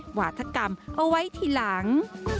หวาธกรรมเอาไว้ทีหลัง